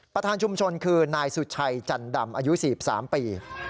ประธานชุมชนคือนายสุชัยจันดำอายุ๔๓ปี